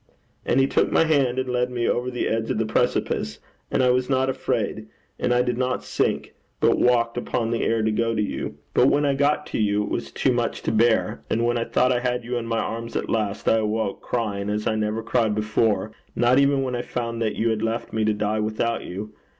And he took my hand and led me over the edge of the precipice; and I was not afraid, and I did not sink, but walked upon the air to go to you. But when I got to you, it was too much to bear; and when I thought I had you in my arms at last, I awoke, crying as I never cried before, not even when I found that you had left me to die without you.